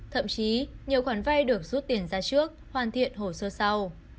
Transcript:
thậm chí nhiều khoản vay được rút tiền ra trước hoàn thiện hồ sơ sau